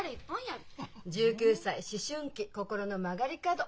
１９歳思春期心の曲がり角。